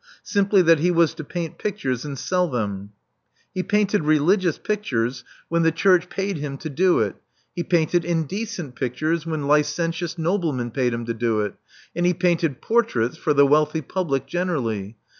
Simply that he was to paint pictures and sell them. He painted religious pictures when the church J S6 Love Among the Artists paid him to do it; he painted indecent pictures when licentious noblemen paid him to do it; and he painted ]x>rt raits for the wealthy public generally.